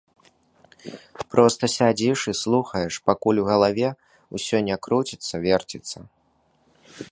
Проста сядзіш і слухаеш, пакуль ў галаве ўсё ужо не круціцца-верціцца.